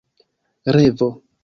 revo